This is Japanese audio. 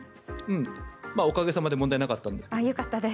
おかげ様で問題なかったんですけど。